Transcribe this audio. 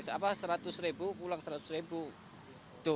ya cuma modal seratus ribu pulang seratus ribu